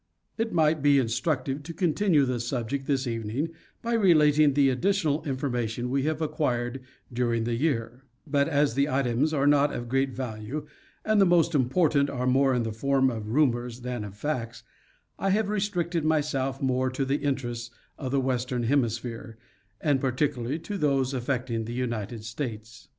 It might be instructive to continue the subject this evening by relat ing the additional information we have acquired during the year ; but as the items are not of great value and the most important are more in the form of rumors than of facts, I have restricted myself more to the interests of the western hemisphere, and particularly to those affecting the United States.